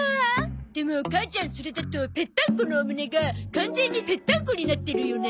でも母ちゃんそれだとペッタンコのお胸が完全にペッタンコになってるよね。